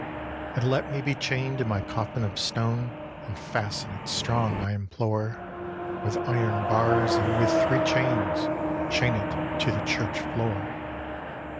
'And let me be chain'd in my coffin of stone, And fasten it strong, I implore, With iron bars, and with three chains, Chain it to the church floor.